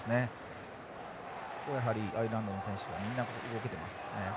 そこをやはりアイルランドの選手はみんな動けていますね。